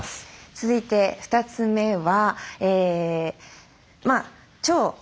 続いて２つ目は。